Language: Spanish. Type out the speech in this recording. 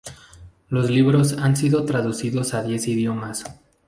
Los libros han sido traducidos a diez idiomas.